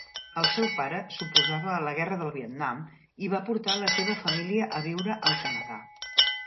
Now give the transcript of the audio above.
El seu pare s'oposava a la Guerra del Vietnam i va portar la seva família a viure al Canadà.